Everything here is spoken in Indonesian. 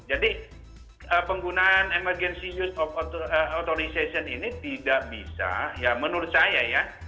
jadi penggunaan emergency use of authorization ini tidak bisa ya menurut saya ya